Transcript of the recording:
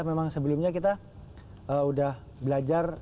memang sebelumnya kita udah belajar